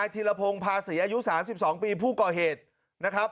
ธีรพงศ์ภาษีอายุ๓๒ปีผู้ก่อเหตุนะครับ